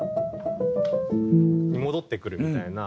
に戻ってくるみたいな。